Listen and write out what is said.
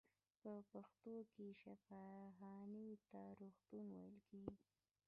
په پښتو کې شفاخانې ته روغتون ویل کیږی.